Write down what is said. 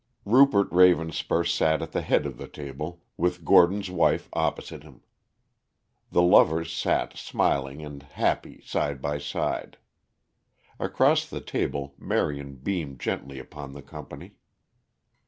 Rupert Ravenspur sat at the head of the table, with Gordon's wife opposite him. The lovers sat smiling and happy side by side. Across the table Marion beamed gently upon the company.